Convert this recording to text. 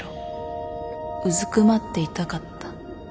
うずくまっていたかった。